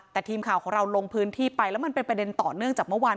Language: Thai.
แต่ทีมข่าวของเราลงพื้นที่ไปแล้วมันเป็นประเด็นต่อเนื่องจากเมื่อวาน